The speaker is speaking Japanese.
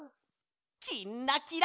「きんらきら」。